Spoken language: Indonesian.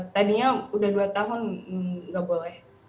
tadinya sudah dua tahun tidak boleh